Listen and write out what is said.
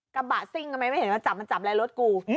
กระบะซิงไม่เห็นว่ามาจับอะไรรถกู